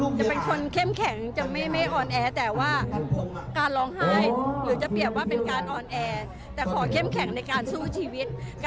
ค่ะค่ะค่ะค่ะค่ะค่ะค่ะค่ะค่ะค่ะค่ะค่ะค่ะค่ะค่ะค่ะค่ะค่ะ